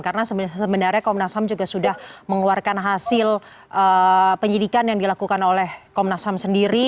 karena sebenarnya komnas ham juga sudah mengeluarkan hasil penyidikan yang dilakukan oleh komnas ham sendiri